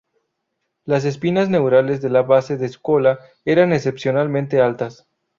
Las espinas neurales de la base de su cola eran excepcionalmente altas.